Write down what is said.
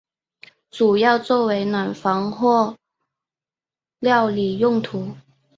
主要作为暖房或料理用途。